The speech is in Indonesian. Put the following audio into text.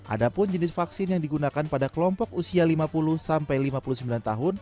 ada pun jenis vaksin yang digunakan pada kelompok usia lima puluh sampai lima puluh sembilan tahun